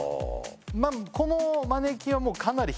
まあこのマネキンはもうそうなの？